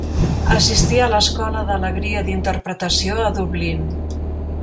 Assistí a l'Escola d'Alegria d'Interpretació a Dublín.